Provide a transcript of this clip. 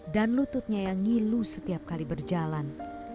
dan lututnya yang ngilu setiap kali berjalan